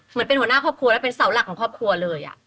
เหมือนเป็นหัวหน้าครอบครัวแล้วเป็นเสาหลักของครอบครัวเลย